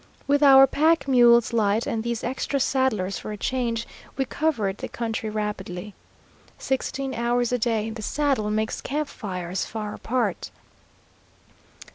With our pack mules light and these extra saddlers for a change, we covered the country rapidly. Sixteen hours a day in the saddle makes camp fires far apart.